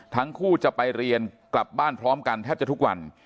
ทั้งคู่จะไปเรียนกลับบ้านพร้อมกันแทบจะทุกวัน